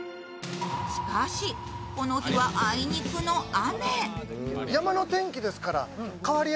しかし、この日はあいにくの雨。